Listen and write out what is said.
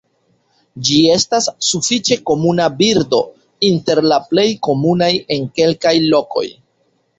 Ĝi estas sufiĉe komuna birdo, inter la plej komunaj en kelkaj lokoj.